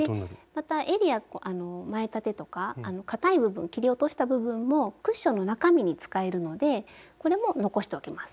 またえりや前立てとかかたい部分切り落とした部分もクッションの中身に使えるのでこれも残しておきます。